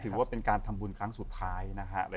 ถือว่าเป็นการทำบุญครั้งสุดท้ายนะฮะ